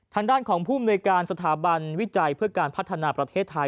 ทางด้านของภูมิในการสถาบันวิจัยเพื่อการพัฒนาประเทศไทย